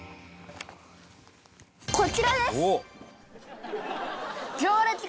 こちらです！